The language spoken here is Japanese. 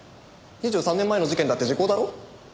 ２３年前の事件だって時効だろ？